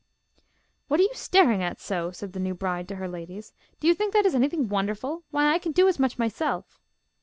'What are you staring at so?' said the new bride to her ladies. 'Do you think that is anything wonderful? Why, I can do as much myself!